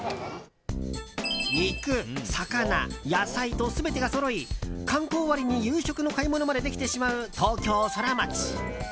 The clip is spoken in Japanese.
肉、魚、野菜と全てがそろい観光終わりに夕食の買い物までできてしまう東京ソラマチ。